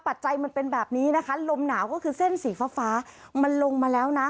ปัจจัยมันเป็นแบบนี้นะคะลมหนาวก็คือเส้นสีฟ้าฟ้ามันลงมาแล้วนะ